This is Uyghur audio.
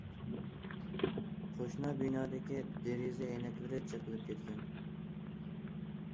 قوشنا بىنادىكى دېرىزە ئەينەكلىرى چېقىلىپ كەتكەن.